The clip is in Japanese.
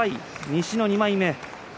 西の２枚目。